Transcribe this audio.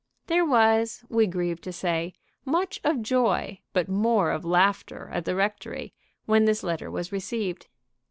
There was, we grieve to say, much of joy but more of laughter at the rectory when this letter was received.